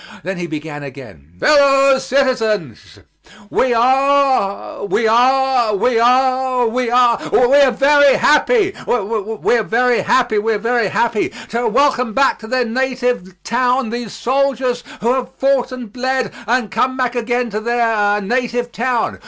Then he began again: "Fellow citizens: We are we are we are we are We are very happy we are very happy we are very happy to welcome back to their native town these soldiers who have fought and bled and come back again to their native town.